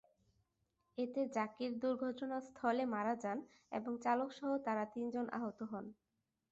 এতে জাকির দুর্ঘটনাস্থলে মারা যান এবং চালকসহ তাঁরা তিনজন আহত হন।